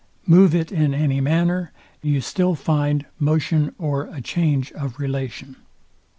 Move it in any manner, you still find motion or a change of relation.